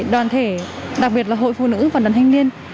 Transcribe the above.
đoàn thể đặc biệt là hội phụ nữ và đoàn thanh niên